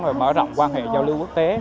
và mở rộng quan hệ giao lưu quốc tế